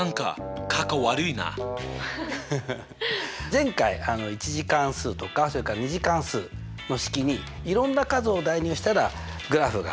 前回１次関数とかそれから２次関数の式にいろんな数を代入したらグラフが変わりましたよね。